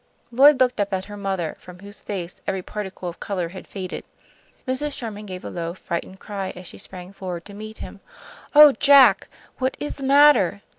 Lloyd looked up at her mother, from whose face every particle of colour had faded. Mrs. Sherman gave a low, frightened cry as she sprang forward to meet him. "Oh, Jack! what is the matter?